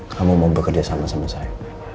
kamu mau bekerja sama sama saya